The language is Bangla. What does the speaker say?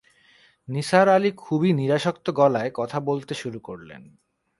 নিসার আলি খুবই নিরাসক্ত গলায় কথা বলতে শুরু করলেন।